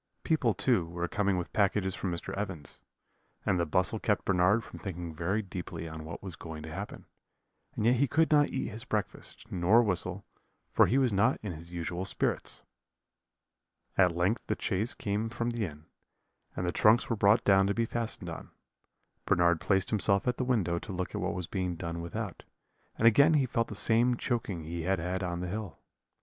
People, too, were coming with packages from Mr. Evans's, and the bustle kept Bernard from thinking very deeply on what was going to happen; and yet he could not eat his breakfast, nor whistle, for he was not in his usual spirits. "At length the chaise came from the inn, and the trunks were brought down to be fastened on. "Bernard placed himself at the window to look at what was being done without; and again he felt the same choking he had had on the hill.